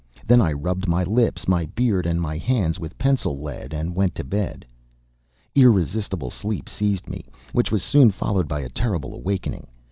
Then I rubbed my lips, my beard and my hands with pencil lead, and went to bed. Irresistible sleep seized me, which was soon followed by a terrible awakening.